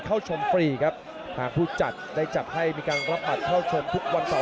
เข้าชมฟรีครับทางผู้จัดได้จัดให้มีการรับบัตรเข้าชมทุกวันเสาร์